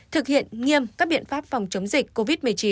thực hiện nghiêm các biện pháp phòng chống dịch covid một mươi chín